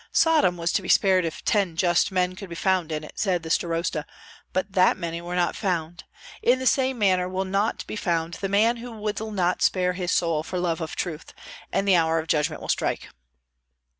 "Sodom was to be spared if ten just men could be found in it," said the starosta; "but that many were not found. In the same manner will not be found the man who will not spare his soul for love of truth; and the hour of judgment will strike."